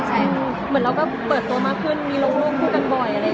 เหมือนเราก็เปิดตัวมากขึ้นมีลงรูปคู่กันบ่อยอะไรอย่างนี้